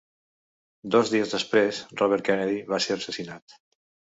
Dos dies després, Robert Kennedy va ser assassinat.